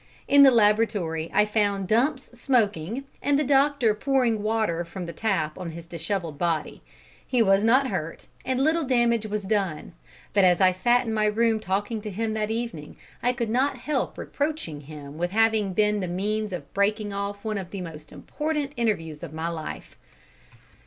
In the laboratory I found Dumps smoking, and the doctor pouring water from the tap on his dishevelled body. He was not hurt, and little damage was done; but as I sat in my room talking to him that evening, I could not help reproaching him with having been the means of breaking off one of the most important interviews of my life.